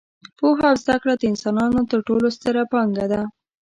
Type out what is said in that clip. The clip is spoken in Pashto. پوهه او زده کړه د انسانانو تر ټولو ستره پانګه ده.